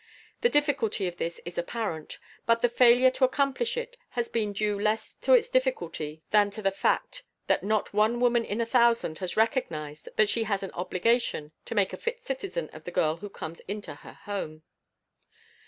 The difficulty of this is apparent; but the failure to accomplish it has been due less to its difficulty than to the fact that not one woman in a thousand has recognized that she has an obligation to make a fit citizen of the girl who comes into her home.